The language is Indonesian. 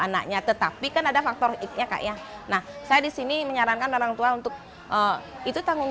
anaknya tetapi kan ada faktornya kak ya nah saya disini menyarankan orang tua untuk itu tanggung